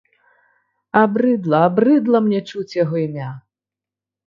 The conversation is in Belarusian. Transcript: Абрыдла, абрыдла мне чуць яго імя!